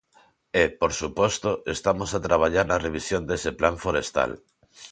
E, por suposto, estamos a traballar na revisión dese plan forestal.